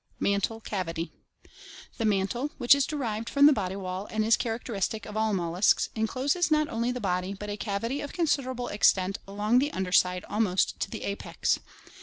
Mantle Cavity. — The mantle, which is derived from the body wall and is characteristic of all molluscs, encloses not only the body but a cavity of considerable extent along the under side almost to the apex.